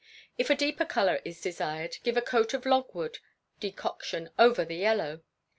If a deeper colour is desired, give a coat of logwood decoction over the yellow.